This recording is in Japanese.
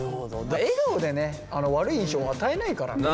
笑顔でね悪い印象与えないからね。